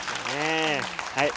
はい。